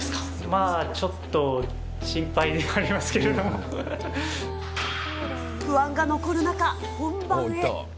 まあちょっと心配ではありま不安が残る中、本番へ。